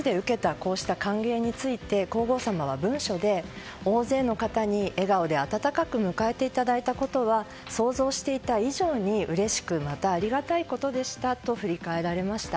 こうした歓迎について皇后さまは文書で、大勢の方に笑顔で温かく迎えていただいたことは想像していた以上にうれしくまた、ありがたいことでしたと振り返られました。